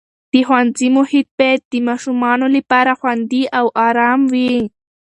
د ښوونځي محیط باید د ماشومانو لپاره خوندي او ارام وي.